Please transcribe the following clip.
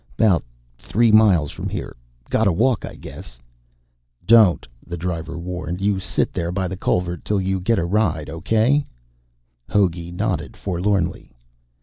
'Bout three miles from here. Gotta walk, I guess." "Don't," the driver warned. "You sit there by the culvert till you get a ride. Okay?" Hogey nodded forlornly.